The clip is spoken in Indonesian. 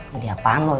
jadi apaan lu